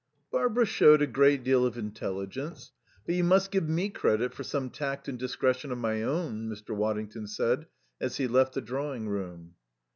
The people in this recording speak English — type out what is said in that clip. "Barbara showed a great deal of intelligence; but you must give me credit for some tact and discretion of my own," Mr. Waddington said as he left the drawing room.